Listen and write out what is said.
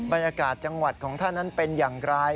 บรรยากาศจังหวัดของท่านนั้นเป็นอย่างไร